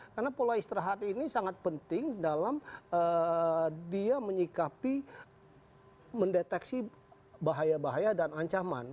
karena pola istirahat ini sangat penting dalam dia menyikapi mendeteksi bahaya bahaya dan ancaman